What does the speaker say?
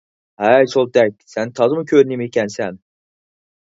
ھەي سولتەك، سەن تازىمۇ كور نېمە ئىكەنسەن!